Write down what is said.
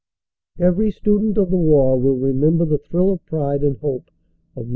Every student of the war will remember the thrill of pride and hope of Nov.